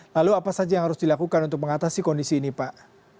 lalu apa saja yang harus dilakukan untuk mengatasi kondisi ini pak